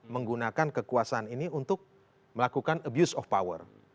menggunakan kekuasaan ini untuk melakukan abuse of power